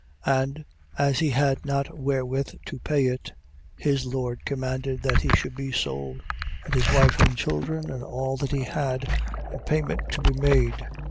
And as he had not wherewith to pay it, his lord commanded that he should be sold, and his wife and children, and all that he had, and payment to be made.